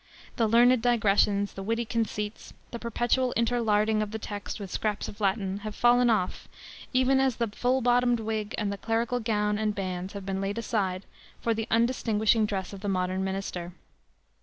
The learned digressions, the witty conceits, the perpetual interlarding of the text with scraps of Latin, have fallen off, even as the full bottomed wig and the clerical gown and bands have been laid aside for the undistinguishing dress of the modern minister.